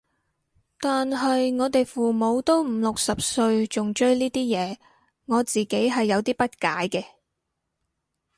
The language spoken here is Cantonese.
但係我哋父母都五六十歲仲追呢啲嘢，我自己係有啲不解嘅